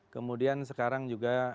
kemudian sekarang juga